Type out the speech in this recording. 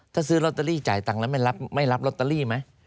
ถ้าซื้อลอตเตอรี่จ่ายตังค์แล้วไม่รับลอตเตอรี่ไหม